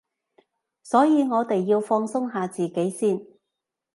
所以我哋要放鬆下自己先